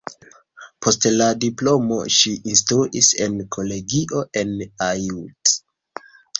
Post la diplomo ŝi instruis en kolegio en Aiud.